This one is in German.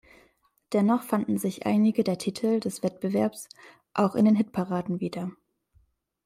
Dennoch fanden sich einige der Titel des Wettbewerbs auch in den Hitparaden wieder.